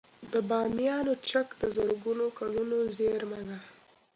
د بامیانو چک د زرګونه کلونو زیرمه ده